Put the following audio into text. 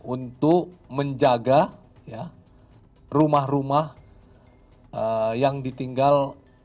untuk menjaga rumah rumah yang ditinggal